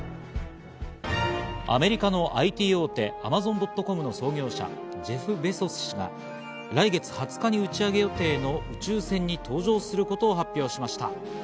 アメリカのＩＴ大手、アマゾン・ドット・コムの創業者、ジェフ・ベゾス氏が来月２０日に打ち上げ予定の宇宙船に搭乗することを発表しました。